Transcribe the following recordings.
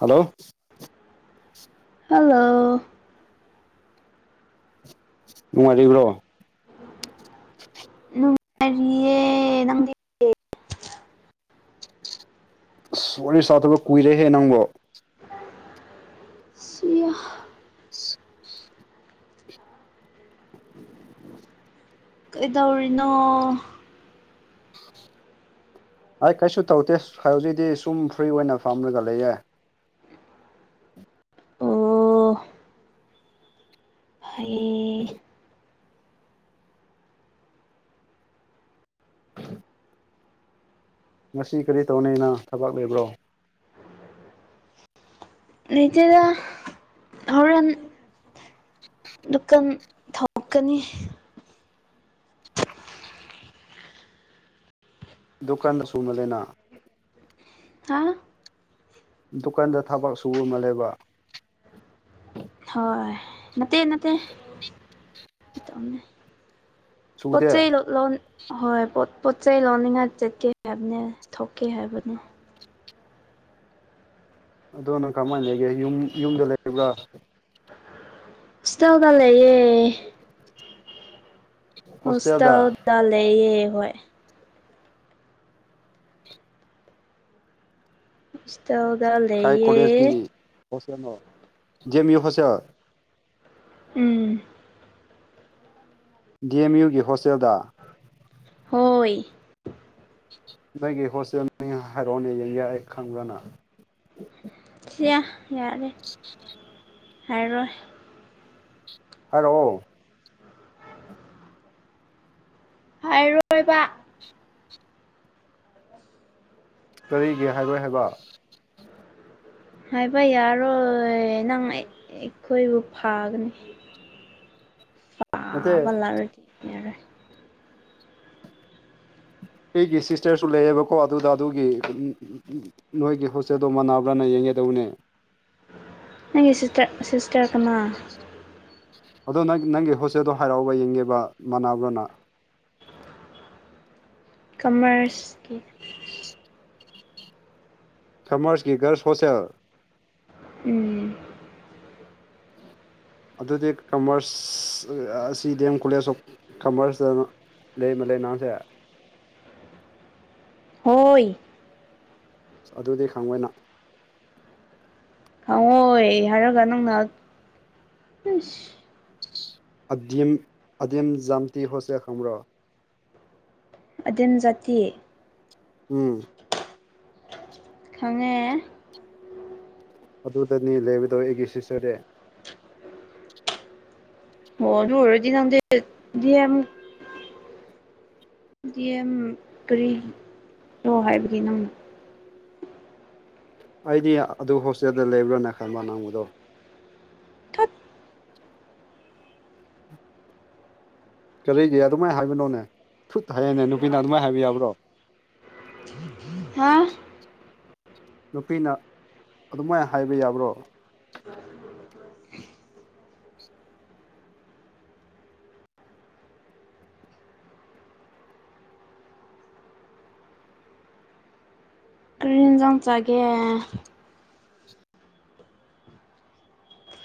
hello hello ꯅꯨꯡꯉꯥꯏꯔꯤꯕ꯭ꯔꯣ ꯅꯨꯡꯉꯥꯏꯔꯤꯌꯦ ꯅꯪꯗꯤ ꯑꯁ ꯋꯥꯔꯤ ꯁꯥꯗꯕ ꯀꯨꯏꯔꯦꯍꯦ ꯅꯪꯕꯣ ꯁꯤꯌꯥ [inaudible] ꯀꯩꯗꯧꯔꯤꯅꯣ ꯑꯩ ꯀꯩꯁꯨ ꯇꯧꯗꯦ ꯍꯧꯖꯤꯛꯗꯤ ꯁꯨꯝ ꯐ꯭ꯔꯤ ꯑꯣꯏꯅ ꯐꯝꯔꯒ ꯂꯩꯌꯦ ꯑꯣ ꯐꯩꯌꯦ ꯉꯁꯤ ꯀꯔꯤ ꯇꯧꯅꯤ ꯅꯪ ꯊꯕꯛ ꯂꯩꯕ꯭ꯔꯣ ꯂꯩꯇꯦꯗꯥ ꯍꯧꯔꯦꯟ ꯗꯨꯀꯟ ꯊꯣꯛꯀꯅꯤ ꯗꯨꯀꯥꯟꯗ ꯁꯨꯃꯥꯜꯂꯦꯅ ꯍꯥ ꯗꯨꯀꯥꯟꯗ ꯊꯕꯛ ꯁꯨꯕ ꯃꯥꯜꯂꯦꯕ ꯍꯣꯏ ꯅꯠꯇꯦ ꯅꯠꯇꯦ ꯄꯣꯠ ꯁꯨꯗꯦ ꯆꯩꯩ ꯂꯧ ꯂꯧ ꯍꯣꯏ ꯄꯣꯠ ꯄꯣꯠ ꯆꯩꯩ ꯂꯧꯅꯤꯡꯉꯥꯏ ꯆꯠꯀꯦ ꯍꯥꯏꯕꯅꯦ ꯊꯣꯛꯀꯦ ꯍꯥꯏꯕꯅꯦ ꯑꯗꯣ ꯅꯪ ꯀꯃꯥꯏꯅ ꯂꯩꯒꯦ ꯌꯨꯝ ꯌꯨꯝꯗ ꯂꯩꯕ꯭ꯔꯥ ꯍꯣꯁꯇꯦꯜꯗ ꯂꯩꯌꯦ ꯍꯣꯁꯇꯦꯜꯗ ꯂꯩꯌꯦ ꯍꯣꯏ ꯍꯣꯁꯇꯦꯜ ꯀꯥꯏ ꯀꯣꯂꯦꯖꯀꯤ ꯍꯣꯁꯇꯦꯜꯅꯣ ꯗꯤ ꯑꯦꯝ ꯌꯨ ꯍꯣꯁꯇꯦꯜ ꯎꯝ ꯗꯤ ꯑꯦꯝ ꯌꯨꯒꯤ ꯍꯣꯁꯇꯦꯜꯗ ꯍꯣꯏ ꯅꯣꯏꯒꯤ ꯍꯣꯁꯇꯦꯜꯅꯤ ꯍꯥꯏꯔꯛꯑꯣꯅꯦ ꯌꯦꯡ ꯌꯥ ꯑꯩ ꯈꯪꯕ꯭ꯔꯅ ꯁꯤꯌꯥ ꯌꯥꯔꯦ ꯍꯥꯏꯔꯣꯏ ꯍꯜꯂꯣ ꯍꯥꯏꯔꯣꯏꯕ ꯀꯔꯤꯒꯤ ꯍꯥꯏꯔꯣꯏ ꯍꯥꯏꯕ ꯍꯥꯏꯕ ꯌꯥꯔꯣꯏ ꯅꯪ ꯑꯩꯈꯣꯏꯕꯨ ꯐꯥꯒꯅꯤ [unintelligible] ꯄꯕꯜꯂꯥꯔ ꯊꯅꯦꯔꯦ ꯑꯩꯒꯤ ꯁꯤꯁꯇꯔꯁꯨ ꯂꯩꯌꯦꯕꯀꯣ ꯑꯗꯨꯗ ꯑꯗꯨꯒꯤ ꯅꯣꯏꯒꯤ ꯍꯣꯁꯇꯦꯜꯗꯣ ꯃꯅꯥꯅꯕ꯭ꯔꯥꯅ ꯌꯦꯡꯒꯦꯗꯧꯅꯦ ꯅꯪꯒꯤ ꯁꯤꯁꯇꯔ ꯁꯤꯁꯇꯔ ꯀꯅꯥ ꯑꯗꯣ ꯅꯪ ꯅꯪꯒꯤ ꯍꯣꯁꯇꯦꯜꯗꯣ ꯍꯥꯏꯔꯛꯑꯣꯕ ꯌꯦꯡꯒꯦꯕ ꯃꯅꯥꯕ꯭ꯔꯣꯅ ꯀꯃꯔꯁꯀꯤ ꯁꯃꯔꯁꯀꯤ ꯒꯔ ꯁꯣꯁꯦꯜ ꯎꯝ ꯑꯗꯨꯗꯤ ꯀꯃꯔꯁ ꯑꯁꯤ ꯗꯤ ꯑꯦꯝ ꯀꯣꯂꯦꯖ ꯑꯣꯐ ꯀꯃꯔꯁꯇꯅ ꯂꯩ ꯃ ꯂꯩꯦ ꯅꯅꯥꯁꯦ ꯍꯣꯏ ꯑ ꯑꯗꯨꯗꯤ ꯈꯪꯕꯣꯏꯅ ꯈꯪꯉꯣꯏ ꯍꯥꯏꯔꯒ ꯅꯪꯅ ꯑꯝ ꯑꯗꯤꯝ ꯖꯝꯇꯤ ꯍꯣꯁꯦ ꯈꯪꯔꯣ ꯑꯗꯨꯝ ꯖꯥꯇꯤ ꯎꯝ ꯈꯪꯉꯦ ꯑꯗꯨꯗꯅꯤ ꯂꯩꯕꯗꯧ ꯑꯩꯒꯤ ꯁꯤꯁꯇꯔꯗꯤ ꯍ ꯅ ꯗꯤ ꯑꯦꯝ ꯀꯔꯤ ꯂꯣ ꯍꯥꯏꯕꯒꯤ ꯅꯪ ꯑꯩꯗꯤ ꯑꯗꯨ ꯍꯣꯁꯇꯦꯜꯗ ꯂꯩꯕ꯭ꯔꯥꯅ ꯈꯟꯕ ꯅꯪꯕꯗꯧ ꯊꯠ ꯀꯔꯤꯒꯤ ꯑꯗꯨꯃꯥꯏꯅ ꯍꯥꯏꯕꯅꯣꯅꯦ ꯁꯨꯠ ꯍꯥꯏꯌꯦꯅꯦ ꯅꯨꯄꯤꯅ ꯑꯗꯨꯃꯥꯏꯅ ꯍꯥꯏꯕ ꯌꯥꯕ꯭ꯔꯣ ꯎꯝ ꯍꯥ ꯅꯨꯄꯤꯅ ꯑꯗꯨꯃꯥꯏꯅ ꯍꯥꯏꯕ ꯌꯥꯕ꯭ꯔꯣ ꯀꯔꯤ ꯏꯟꯖꯥꯡ ꯆꯥꯒꯦ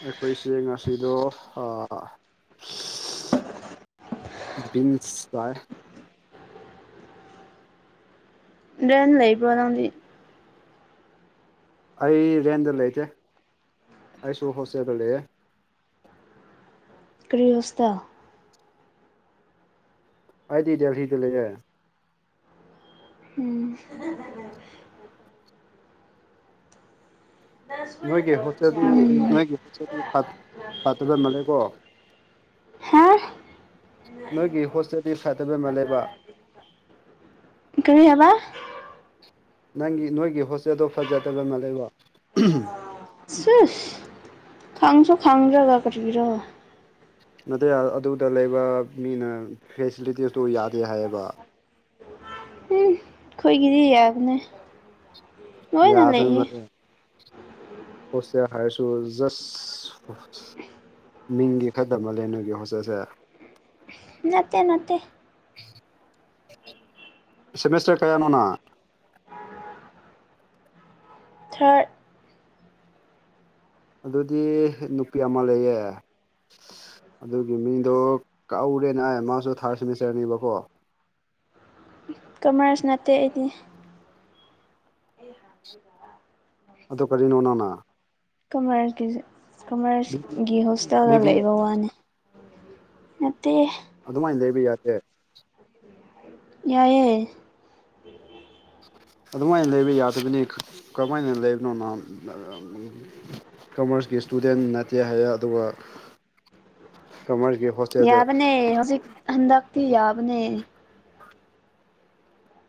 ꯑꯩꯈꯣꯏꯁꯦ ꯉꯁꯤꯗꯣ ꯕꯤꯟꯁ ꯇꯥꯏ ꯔꯦꯟ ꯂꯩꯕꯣꯅꯡꯗꯤ ꯑꯩ ꯔꯦꯟꯗ ꯂꯩꯇꯦ ꯑꯩꯁꯨ ꯍꯣꯁꯇꯦꯜꯗ ꯂꯩꯌꯦ ꯀ꯭ꯔꯤ ꯍꫭꯁꯇꯦꯜ ꯑꯩꯗꯤ ꯗꯦꯜꯍꯤꯗ ꯂꯩꯔꯦ ꯎꯝ ꯅꯣꯏꯒꯤ ꯍꯣꯁꯇꯦꯜꯗꯤ ꯎꯝ ꯅꯣꯏꯒꯤ ꯍꯣꯁꯇꯦꯜꯗꯤ ꯐꯠ ꯐꯥꯠꯇꯕꯃꯜꯂꯦꯀꯣ ꯍꯥ ꯅꯣꯏꯒꯤ ꯍꯣꯁꯇꯦꯜꯗꯤ ꯐꯗꯕꯃꯜ ꯂꯦꯕ ꯀꯔꯤ ꯍꯥꯏꯕ ꯅꯪꯒꯤ ꯅꯣꯏꯒꯤ ꯍꯣꯁꯇꯦꯜꯗꯣ ꯐꯖꯗꯕ ꯃꯥꯜ ꯂꯩꯕꯣ ꯁꯦꯁ ꯈꯥꯁꯨꯣ ꯈꯪꯪꯖꯒꯒꯒꯤꯔꯣ ꯅꯠꯇꯦ ꯑꯗꯨꯗ ꯂꯩꯕ ꯃꯤꯅ ꯐꯦꯁꯤꯂꯤꯇꯤꯁꯇꯨ ꯌꯥꯗꯦ ꯍꯥꯏꯌꯦꯕ ꯎꯝ ꯈꯣꯏꯒꯤꯗꯤ ꯌꯥꯕꯅꯦ ꯂꯣꯏꯅ ꯂꯩꯌꯦ ꯍꫭꯁꯇꯦꯜ ꯍꯥꯏꯔꯁꯨ ꯖꯁ ꯃꯤꯡꯗꯤ ꯈꯗ ꯃꯜꯂꯦ ꯅꫭꯏꯒꯤ ꯍꯣꯁꯇꯦꯜꯁꯦ ꯅꯠꯇꯦ ꯅꯠꯇꯦ ꯁꯦꯃꯤꯁꯇꯔ ꯀꯌꯥꯅꯣ ꯅꯪ ꯊꯔꯠ ꯑꯗꯨꯗꯤ ꯅꯨꯄꯤ ꯑꯃ ꯂꯩꯌꯦ ꯑꯗꯨꯒꯤ ꯃꯤꯡꯗꯣ ꯀꯥꯎꯔꯦꯅꯦ ꯃꯥꯁꯨ ꯊꯥꯔꯠ ꯁꯦꯃꯤꯁꯇꯔꯅꯦꯕꯀꯣ ꯀꯃꯔꯁ ꯅꯠꯇꯦ ꯑꯩꯗꯤ ꯑꯗꯣ ꯀꯔꯤꯅꯣ ꯅꯪꯅ ꯀꯃꯔꯁꯀꯤꯁꯨ ꯀꯃꯔꯁꯒꯤ ꯍꯣꯁꯇꯦꯜꯗ ꯕꯤ ꯕꯤ ꯑꯦ ꯂꯩꯕ ꯋꯥꯅꯦ ꯅꯠꯇꯦ ꯑꯗꯨꯃꯥꯏꯅ ꯂꯩꯕ ꯌꯥꯗꯦ ꯌꯥꯏꯌꯦ ꯑꯗꯨꯃꯥꯏꯅ ꯂꯩꯕ ꯌꯥꯗꯕꯅꯤ ꯈ ꯀꯃꯥꯏꯅ ꯂꯩꯕꯅꯣ ꯅꯪ__ ꯀꯃꯔꯁꯀꯤ ꯁ꯭ꯇꯨꯗꯦꯟ ꯅꯠꯇꯦ ꯍꯥꯏꯌꯦ ꯑꯗꯨꯒ ꯀꯃꯔꯁꯒꯤ ꯍꫭꯁ__ ꯌꯥꯕꯅꯦ ꯍꯧꯖꯤꯛ ꯍꯟꯗꯛꯇꯤ ꯌꯥꯕꯅꯦ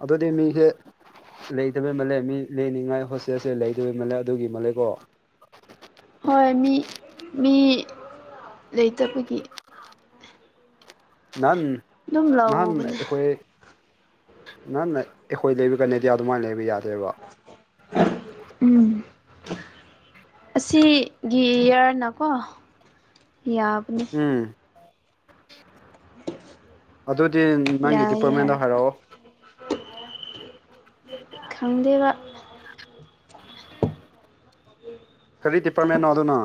ꯑꯗꯨꯗꯤ ꯃꯤꯍꯦ ꯂꯩꯇꯕꯩ ꯃꯥꯜꯂꯦ ꯃꯤ ꯂꯩꯍꯟꯅꯤꯡꯉꯥꯏ ꯍꯣꯁꯇꯦꯜꯁꯦ ꯂꯩꯇꯕꯩ ꯃꯜꯂꯦ ꯑꯗꯨꯒꯤ ꯃꯥꯜꯂꯦꯀꯣ ꯍꯣꯏ ꯃꯤ ꯃꯤ ꯂꯩꯇꯕꯒꯤ ꯅꯍꯥꯟ ꯑꯗꯨꯝ ꯅꯍꯥꯟ ꯂꯧꯕꯅꯦ ꯑꯩꯈꯣꯏ ꯅꯥꯍꯟ ꯑꯩꯈꯣꯏ ꯂꯩꯕꯀꯥꯟꯗꯗꯤ ꯑꯗꯨꯃꯥꯏꯅ ꯂꯩꯕ ꯌꯥꯗꯦꯕ ꯎꯝ ꯑꯁꯤꯒꯤ ꯏꯌꯥꯔꯅꯀꯣ ꯌꯥ__ ꯎꯝ ꯑꯗꯨꯗꯤ ꯅꯪꯒꯤ ꯌꯥꯏꯌꯦ ꯗꯤꯄꯥꯔꯠꯃꯦꯟꯗꯣ ꯍꯥꯏꯔꯛꯄ ꯍꯥꯏꯔꯛꯑꯣ ꯈꯪꯗꯦꯕ [unintelligible] ꯀꯔꯤ ꯗꯤꯄꯥꯔꯠꯃꯦꯟꯅꯣ ꯑꯗꯨꯅ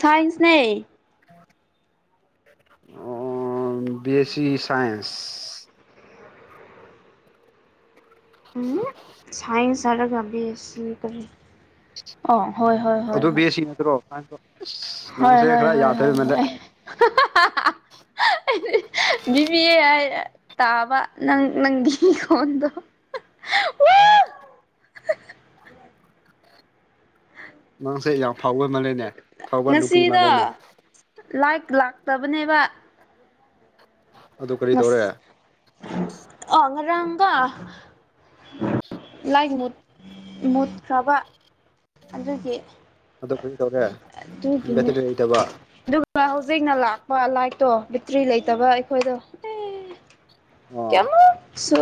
ꯁꯥꯏꯟꯁꯅꯦ ꯑꯣ B A C science um [unintelligible] science ꯍꯥꯏꯔꯒ ꯕꯤ ꯑꯦ ꯁꯤ ꯀꯔꯤ ꯑꯣ ꯍꯣꯏ ꯍꯣꯏ ꯍꯣꯏ ꯑꯗꯨ ꯕꯦ ꯍꯣꯏ ꯑꯦ ꯁꯤ ꯅꯠꯇꯔꯣ ꯁꯥꯏꯟꯁꯇꫭ ꯍꯣꯏ ꯍꯣꯏ ꯍꯣꯏ ꯍꯣꯏ ꯍꯣꯏ [unintelligible] ꯕꯤꯕꯤ ꯑꯦ ꯍꯥꯏꯔ ꯇꯥꯕ ꯅꯪ ꯅꯪꯒꯤ ꯈꯣꯟꯗꯣ ꯍ ꯅꯪꯁꯦ ꯌꯥꯝ ꯐꯥꯎꯕ ꯃꯥꯜꯂꯦꯅꯦ ꯐꯥꯎꯕ ꯅꯨꯄꯤ ꯉꯁꯤꯗꯣ ꯃꯥꯜꯂꯦꯅꯦ ꯂꯥꯏꯛ ꯂꯥꯛꯇꯕꯅꯦꯕ ꯑꯗꯨ ꯀꯔꯤ ꯇꯧꯔꯦ ꯉꯁ ꯑꯣ ꯉꯔꯥꯡꯀꫭ ꯂꯥꯏꯛ ꯃꯨꯠ ꯃꯨꯠꯈ꯭ꯔꯕ ꯑꯗꯨꯒꯤ [unintelligible] ꯍꯣꯏ ꯍꯧꯖꯤꯛꯅ ꯂꯥꯛꯄ ꯂꯥꯏꯠꯇꯣ ꯕꯦꯠꯇ꯭ꯔꯤ ꯂꯩꯇꯕ ꯑꯩꯈꯣꯏꯗꯣ ꯑꯦ ꯑꯣ ꯀꯌꯥꯝꯃꯨꯛ ꯁꯨ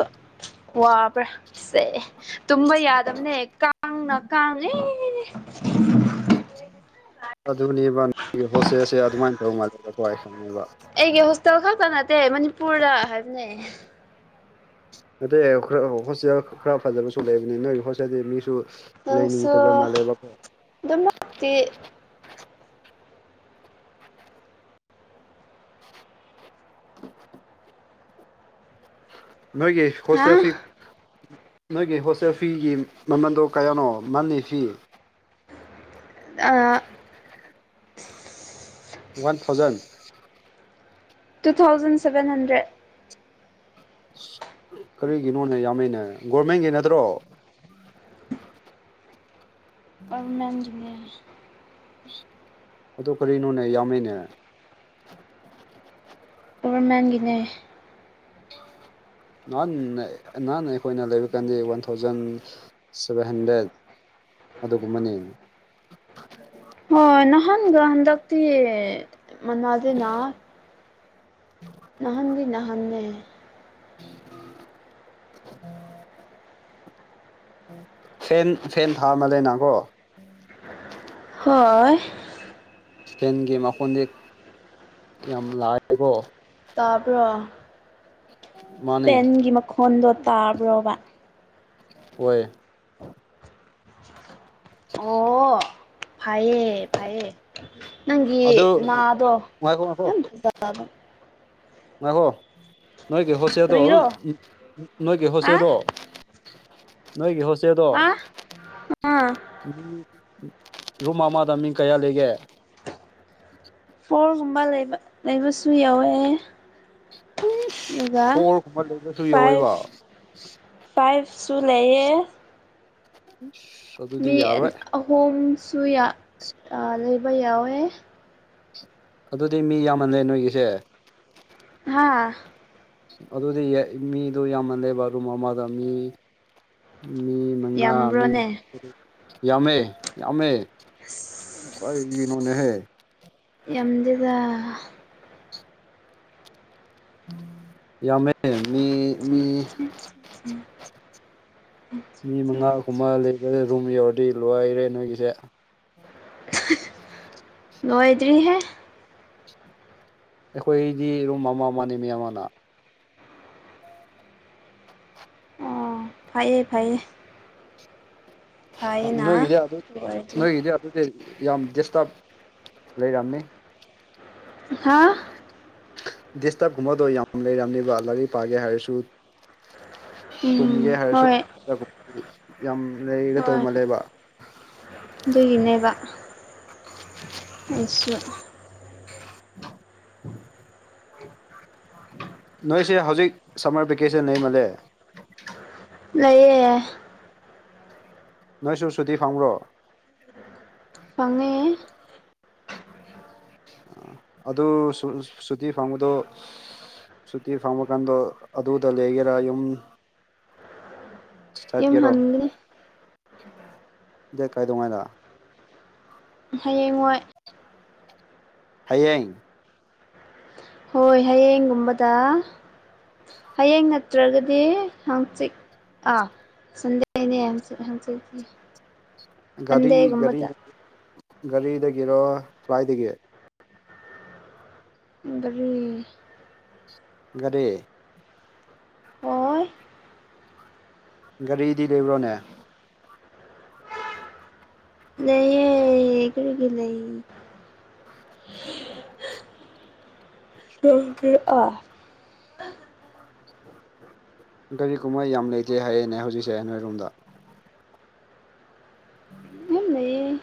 ꯋꯥꯕ꯭ꯔꯥ ꯁꯦ ꯇꯨꯝꯕ ꯌꯥꯗꯕꯅꯦ ꯀꯥꯡꯅ ꯀꯥꯡꯉꯦ ꯉꯦꯍ [unintelligible] ꯑꯗꯨꯅꯦꯕ ꯅꯪꯒꯤ ꯍꯣꯁꯇꯦꯜꯁꯦ ꯑꯗꯨꯃꯥꯏꯅ ꯇꯧꯕ ꯃꯥꯜꯂꯦꯕꯀꯣ ꯑꯩ ꯈꯪꯉꯦꯕ ꯇꯜ ꯈꯛꯇ ꯅꯠꯇꯦ ꯃꯅꯤꯄꯨꯔꯗ ꯍꯥꯏꯕꯅꯦ ꯅꯇꯦ ꯈꯔ ꯍꯣꯁꯇꯦꯜ ꯈꯔ ꯐꯖꯕꯁꯨ ꯂꯩꯕꯅꯤ ꯅꯣꯏꯒꯤ ꯍꯣꯁꯇꯦꯜꯗꯨꯗꯤ ꯃꯤꯁꯨ ꯅꯪꯁꯨ ꯂꯩꯅꯤꯡꯗꯕ ꯃꯥꯜꯂꯦꯕꯀꯣ ꯑꯗꯨꯃꯛꯇꯤ ꯅꯣꯏꯒꯤ ꯍꯥ ꯍꯣꯁꯇꯦꯜ ꯐꯤ ꯅꯣꯏꯒꯤ ꯍꯣꯁꯇꯦꯜ ꯐꯤꯒꯤ ꯃꯃꯟꯗꯣ ꯀꯌꯥꯅꯣ ꯃꯜꯂꯤ ꯐꯤ ꯑꯥ one thousand two thousand seven hundred ꯀꯔꯤꯒꯤꯅꯣꯅꯦ ꯌꯥꯝꯃꯦꯅꯦ ꯒꯣꯔꯃꯦꯟꯒꯤ ꯅꯠꯇ꯭ꯔꯣ ꯑꯣꯟꯂꯥꯏꯟ ꯑꯤꯅꯦ ꯑꯗꯨ ꯀꯔꯤꯅꯣꯅꯦ ꯌꯥꯝꯃꯦꯅꯦ ꯒꯣꯕꯔꯃꯦꯟꯒꯤꯅꯦ ꯅꯍꯥ ꯅꯍꯥꯟꯅ ꯑꯩꯈꯣꯏꯅ ꯂꯩꯕ ꯀꯥꯟꯗꯤ ꯋꯥꯟ ꯊꯥꯎꯖꯟ ꯁꯚꯦꯟ ꯍꯟꯗ꯭ꯔꯦꯠ ꯑꯗꯨꯒꯨꯝꯕꯅꯦ ꯍꯣꯏ ꯅꯍꯥꯟꯒ ꯍꯟꯗꯛꯇꯤ ꯃꯥꯅꯗꯦꯅ ꯅꯍꯥꯟꯒꯤ ꯅꯍꯥꯟꯅꯦ ꯐꯦꯟ ꯐꯦꯟ ꯊꯥꯃꯟꯂꯩꯅꯥꯀꯣ ꯍꯣꯏ ꯏꯁꯀꯩꯅꯒꯤ ꯃꯈꯣꯟꯗꯤ ꯌꯥꯝ ꯂꯥꯛꯑꯦꯀꯣ ꯇꯥꯕ꯭ꯔꯣ ꯃꯥꯅꯦ ꯏꯁꯄꯦꯟꯒꯤ ꯃꯈꯣꯟꯗꯣ ꯇꯥꯕ꯭ꯔꯣꯕ ꯑꯣꯏ ꯑꯣ ꯐꯌꯦ ꯐꯩꯌꯦ ꯅꯪꯒꯤ ꯑꯗꯨ ꯅꯥꯗꯣ ꯉꯥꯏꯈꯣ ꯌꯥꯝ ꯐꯖ ꯐꯕꯥ ꯉꯥꯛꯈꯣ ꯅꯣꯏꯒꯤ ꯍꯣꯁꯇꯦꯜꯗꯣ ꯀꯔꯤꯔꯣ ꯅꯣꯏꯒꯤ ꯍꯥ ꯍꯣꯁꯇꯦꯜꯗꯣ ꯅꯣꯏꯒꯤ ꯍꯣꯠꯇꯦꯜꯗꯣ ꯍꯥ ꯑꯥ ꯎ ꯔꯨꯝ ꯑꯃꯗ ꯃꯤ ꯀꯌꯥ ꯂꯩꯒꯦ ꯐꯣꯔꯒꯨꯝꯕ ꯂꯩꯕ ꯂꯩꯕꯁꯨ ꯌꯎꯋꯦ ꯏꯁ ꯐꯣꯔꯒꯨꯝꯕ ꯂꯩꯕꯁꯨ ꯌꯥꯎꯋꯦꯕ ꯐꯥꯏꯞꯁꯨ ꯂꯩꯌꯦ ꯏꯁ ꯃꯤ ꯑꯍꯨꯝꯁꯨ ꯂꯩꯕ ꯌꯥꯎꯋꯦ ꯑꯗꯨꯗꯤ ꯃꯤ ꯌꯥꯝꯃꯜꯂꯦ ꯅꯣꯏꯒꯤꯁꯦ ꯍꯥꯥ ꯑꯗꯨꯗꯤ ꯃꯤꯗꯨ ꯌꯥꯝꯃꯜꯂꯦꯕꯥ ꯔꯨꯃ ꯑꯃꯥꯗ ꯃꯤ ꯃꯤ ꯃꯉꯥ ꯃꯤ ꯌꯥꯝꯕ꯭ꯔꯣꯅꯦ ꯌꯥꯝꯃꯦ ꯌꯥꯝꯃꯦ ꯀꯤꯒꯤꯅꯣꯅꯦ ꯍꯦ ꯌꯥꯝꯗꯦꯕ ꯌꯥꯝꯃꯦ ꯃꯤ ꯃꯤ ꯃꯤ ꯃꯉꯥꯒꯨꯝꯕ ꯂꯩꯕ ꯔꯨꯝ ꯌꯧꯔꯗꯤ ꯂꯣꯏꯔꯦ ꯅꯣꯏꯒꯤꯁꯦ ꯂꯣꯏꯗ꯭ꯔꯤꯍꯦ ꯑꯩꯈꯣꯏꯗꯤ ꯔꯨꯝ ꯑꯃ ꯑꯃꯅꯦ ꯃꯤ ꯑꯃꯅ ꯐꯌꯦ ꯐꯌꯦ ꯅꯣꯏꯒꯤꯗꯤ ꯑꯗꯨ ꯅꯣꯏꯒꯤꯗꯤ ꯑꯗꯨꯗꯤ ꯌꯥꯝ ꯗꯤꯁꯇ꯭ꯔꯥꯕ ꯂꯩꯔꯝꯅꯤ ꯍꯥ ꯗꯤꯁꯇ꯭ꯔꯕ ꯀꯨꯝꯕꯗꯣ ꯌꯥꯝ ꯂꯩꯔꯝꯅꯤꯕ ꯂꯥꯏꯔꯤꯛ ꯄꯥꯒꯦ ꯍꯥꯏꯔꯁꯨ ꯇꯨꯝꯒꯦ ꯎꯝ ꯍꯥꯏꯔꯁꯨ ꯍꯣꯏ [unintelligible] ꯌꯥꯝ ꯂꯦ ꯍꯣꯏ ꯇꯧꯃꯜꯂꯦꯕ ꯑꯗꯨꯒꯤꯅꯦꯕ ꯑꯩꯁꯨ ꯅꯣꯏꯁꯦ ꯍꯧꯖꯤꯛ ꯁꯝꯃꯔ ꯚꯦꯀꯦꯁꯟ ꯂꯩꯃꯜꯂꯦ ꯂꯩꯌꯦ ꯅꯣꯏꯁꯨ ꯁꯨꯇꯤ ꯐꯪꯕ꯭ꯔꯣ ꯐꯪꯉꯦ ꯑꯗꯨ ꯁꯨꯇꯤ ꯐꯪꯕꯗꯣ ꯁꯨꯇꯤ ꯐꯪꯕ ꯀꯥꯟꯗꯣ ꯑꯗꯨꯗ ꯂꯩꯒꯦꯔꯥ ꯌꯨꯝ ꯌꯨꯝ ꯆꯠꯀꯦꯔꯣ ꯍꯟꯒꯅꯤ ꯗꯦꯠ ꯀꯩꯗꯧꯉꯩꯗ ꯍꯌꯦꯡ ꯋꯥꯏ ꯍꯌꯦꯡ ꯍꯣꯏ ꯍꯌꯦꯡꯒꯨꯝꯕꯗ ꯍꯌꯦꯡ ꯅꯠꯇ꯭ꯔꯒꯗꯤ ꯍꯪꯆꯤꯠ ꯑꯥ ꯁꯟꯗꯦꯅꯦ ꯍꯟꯆꯤꯠ ꯍꯪꯆꯤꯠꯇꯤ ꯒꯥꯔꯤ ꯒꯥꯔꯤ ꯃꯟꯗꯦꯒꯨꯝꯕꯗ ꯒꯥꯔꯤꯗꯒꯤꯔꯣ ꯀꯥꯏꯗꯒꯤ ꯒꯥꯔꯤ ꯒꯥꯔꯤ ꯍꯣꯏ ꯒꯥꯔꯤꯗꯤ ꯂꯩꯕ꯭ꯔꯣꯅꯦ ꯂꯩꯌꯦ ꯒꯥꯔꯤꯒꯤ ꯂꯩ [unintelligible] ꯒꯥꯔꯤ ꯒꯨꯝꯕ ꯌꯥꯝ ꯂꯩꯇꯦ ꯍꯥꯏꯌꯦꯅꯦ ꯍꯧꯖꯤꯛꯁꯦ ꯅꯣꯏꯔꯣꯝꯗ [unintelligible] ꯌꯥꯝ ꯂꯩꯌꯦ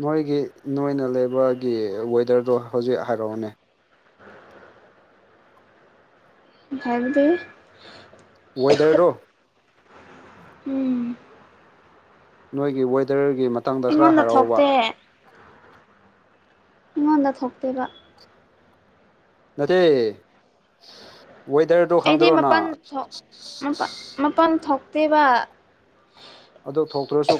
ꯅꯣꯏꯒꯤ ꯅꯣꯏꯅ ꯂꯩꯕꯒꯤ ꯋꯦꯗꯔꯗꯣ ꯍꯧꯖꯤꯛ ꯍꯥꯏꯔꯛꯑꯣꯅꯦ ꯍꯥꯏꯕꯗꯤ ꯋꯦꯗꯔꯗꯣ ꯎꯝ ꯅꯣꯏꯒꯤ ꯋꯦꯗꯔꯒꯤ ꯃꯇꯥꯡꯗ ꯈꯔꯥ ꯑꯩꯉꯣꯟꯗ ꯍꯥꯏꯔꯛꯑꯣꯕ ꯊꯣꯛꯇꯦ ꯃꯤꯉꯣꯟꯗ ꯊꯣꯛꯇꯦꯕ ꯅꯠꯇꯦ ꯋꯦꯗꯔꯗꯣ ꯑꯩꯗꯤ ꯈꯪꯗ꯭ꯔꯣꯅ ꯃꯄꯥꯟ ꯊꯣꯛ ꯃꯄꯥꯟ ꯊꯣꯛꯇꯦꯕ ꯑꯗꯨ ꯊꯣꯛꯇ꯭ꯔꯁꯨ